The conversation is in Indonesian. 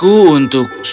semoga anda hampir mampu